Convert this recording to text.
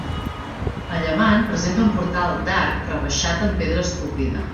A llevant presenta un portal d'arc rebaixat amb pedra esculpida.